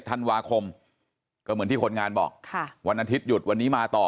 ธันวาคมก็เหมือนที่คนงานบอกค่ะวันอาทิตยุดวันนี้มาต่อ